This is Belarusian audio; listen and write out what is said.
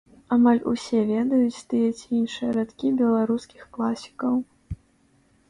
Амаль усе ведаюць тыя ці іншыя радкі беларускіх класікаў.